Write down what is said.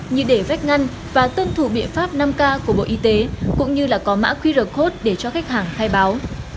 như để vách ngăn và tuân thủ biện pháp năm k của bộ y tế cũng như là có mã qr code để cho khách hàng khai báo